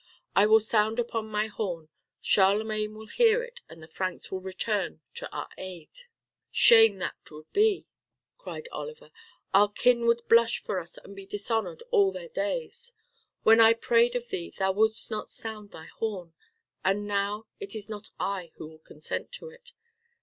"I will sound upon my horn. Charlemagne will hear it and the Franks will return to our aid." "Shame would that be," cried Oliver. "Our kin would blush for us and be dishonored all their days. When I prayed of thee thou wouldst not sound thy horn, and now it is not I who will consent to it.